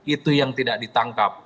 itu yang tidak ditangkap